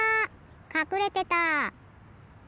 かくれてた！